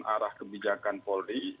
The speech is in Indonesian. arah kebijakan polri